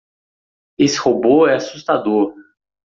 Esse robô é assustador!